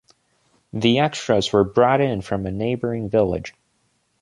The extras were brought in from a neighboring village.